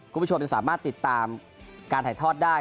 คุณผู้ชมยังสามารถติดตามการถ่ายทอดได้